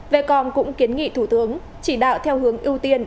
vecom cũng kiến nghị thủ tướng chỉ đạo theo hướng ưu tiên